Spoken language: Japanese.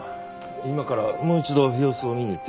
今からもう一度様子を見に行ってくるよ。